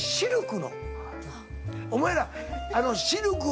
お前ら。